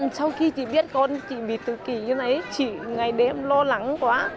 sau khi chị biết con bị tự kỷ như thế này chị ngày đêm lo lắng quá